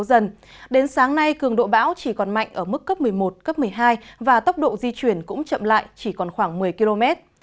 đến sáng nay cường độ bão chỉ còn mạnh ở mức cấp một mươi một cấp một mươi hai và tốc độ di chuyển cũng chậm lại chỉ còn khoảng một mươi km